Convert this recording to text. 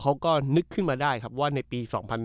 เขาก็นึกขึ้นมาได้ครับว่าในปี๒๕๕๙